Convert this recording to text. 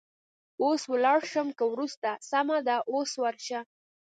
اوس ولاړه شم که وروسته؟ سمه ده، اوس ورشه.